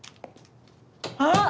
あっ！